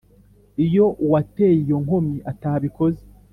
Iyo uwateye iyo nkomyi atabikoze,